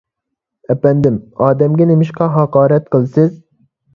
ئەپەندىم، ئادەمگە نېمىشقا ھاقارەت قىلىسىز؟